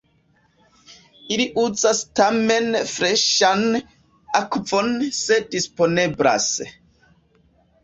Ili uzas tamen freŝan akvon se disponeblas.